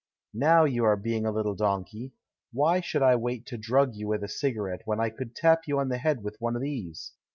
"Now you are being a little donkey! Why should I wait to drug you with a cigarette when I could tap you on the head with one of these?"